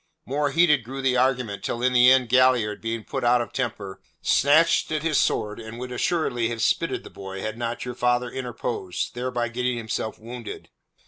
More heated grew the argument, till in the end Galliard, being put out of temper, snatched at his sword, and would assuredly have spitted the boy had not your father interposed, thereby getting himself wounded.